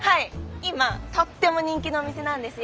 今とっても人気のお店なんですよ。